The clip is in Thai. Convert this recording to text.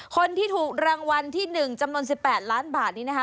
คนที่ถูกรางวัลที่๑จำนวน๑๘ล้านบาท